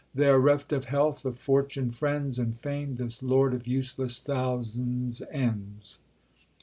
There reft of health, of fortune, friends, And fame, this lord of useless thousands ends."